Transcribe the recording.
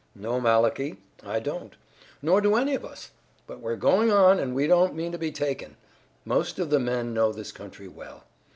"No, Malachi, I don't, nor do any of us, but we're going on and we don't mean to be taken. Most of the men know this country well.